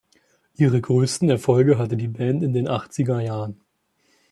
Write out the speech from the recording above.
Ihre größten Erfolge hatte die Band in den Achtziger Jahren.